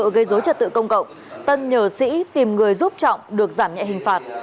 gây dối trật tự công cộng tân nhờ sĩ tìm người giúp trọng được giảm nhẹ hình phạt